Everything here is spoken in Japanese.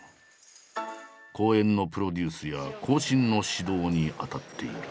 公演のプロデュースや後進の指導に当たっている。